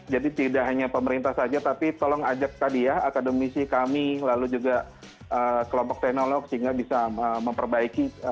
tidak hanya pemerintah saja tapi tolong ajak tadi ya akademisi kami lalu juga kelompok teknolog sehingga bisa memperbaiki